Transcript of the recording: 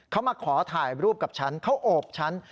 เขามาขอถ่ายรูปกับฉันเขาโอบฉัน